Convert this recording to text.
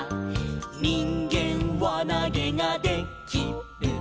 「にんげんわなげがで・き・る」